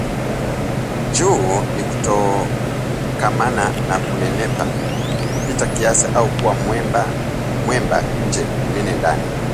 juu ni kutokamana na kunenepa kupita kiasi au kuwa mwemba nje mnene ndani